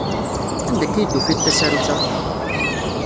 Anda akka ay d-tufiḍ tasarut-a?